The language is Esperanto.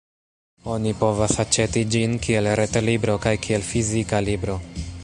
Oni povas aĉeti ĝin kiel ret-libro kaj kiel fizika libro.